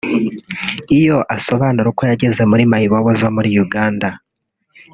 Iyo asobanura uko yageze muri mayibobo zo muri Uganda